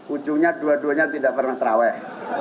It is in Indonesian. intinya dua duanya tidak pernah tarwek